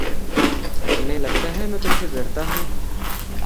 تمہیں لگتا ہے میں تم سے ڈرتا ہوں؟